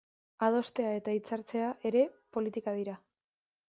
Adostea eta hitzartzea ere politika dira.